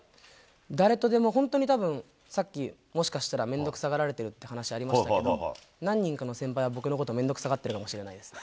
誰とでも、本当にたぶん、さっき、もしかしたらめんどくさがられてるって話ありましたけど、何人かの先輩は僕のこと、めんどくさがってるかもしれないですね。